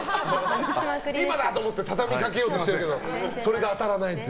今だと思ってたたみかけようとしたけどそれが当たらないという。